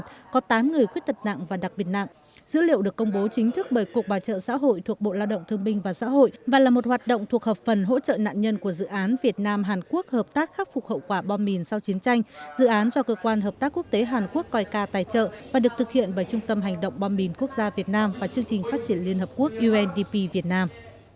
trong tổng số người khuyết tật nặng và đặc biệt nặng dữ liệu được công bố chính thức bởi cục bảo trợ xã hội thuộc bộ lao động thương minh và xã hội và là một hoạt động thuộc hợp phần hỗ trợ nạn nhân của dự án việt nam hàn quốc hợp tác khắc phục hậu quả bom mìn sau chiến tranh dự án do cơ quan hợp tác quốc tế hàn quốc coi ca tài trợ và được thực hiện bởi trung tâm hành động bom mìn quốc gia việt nam và chương trình phát triển liên hợp quốc undp việt nam